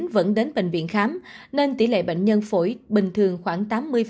vẫn đến bệnh viện khám nên tỷ lệ bệnh nhân phổi bình thường khoảng tám mươi